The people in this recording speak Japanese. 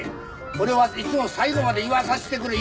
俺はいつも最後まで言わさしてくれ言うてるやろ。